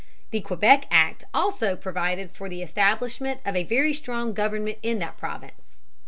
The Quebec Act also provided for the establishment of a very strong government in that province.